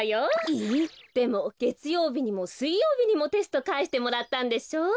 でもげつようびにもすいようびにもテストかえしてもらったんでしょ？